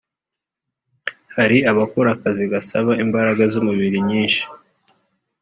hari abakora akazi gasaba imbaraga z’umubiri nyinshi